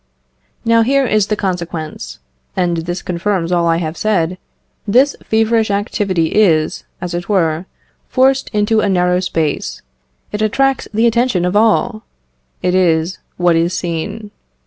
Now here is the consequence (and this confirms all I have said): this feverish activity is, as it were, forced into a narrow space; it attracts the attention of all; it is what is seen.